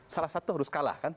salah satu harus kalah kan